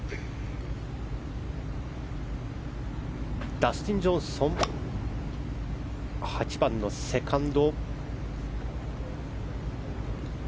ダスティン・ジョンソン８番のセカンド。